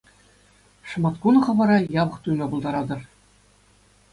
Шӑматкун хӑвӑра япӑх туйма пултаратӑр.